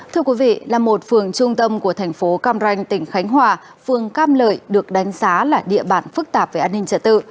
thưa quý vị là một phường trung tâm của thành phố cam ranh tỉnh khánh hòa phường cam lợi được đánh giá là địa bản phức tạp về an ninh trật tự